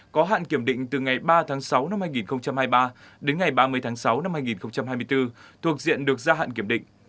có hạn kiểm định từ ngày ba tháng sáu năm hai nghìn hai mươi ba đến ngày ba mươi tháng sáu năm hai nghìn hai mươi bốn thuộc diện được gia hạn kiểm định